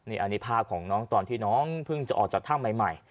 นี่อันนี้ภาพของน้องตอนที่น้องเพิ่งจะออกจากถ้ำใหม่